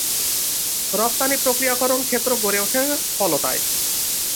রফতানি প্রক্রিয়াকরণ ক্ষেত্র গড়ে ওঠে ফলতায়।